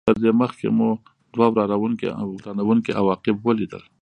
تر دې مخکې مو دوه ورانوونکي عواقب ولیدل.